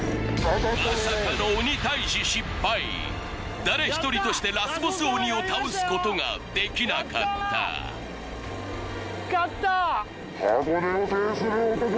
まさかの誰一人としてラスボス鬼を倒すことができなかった勝った！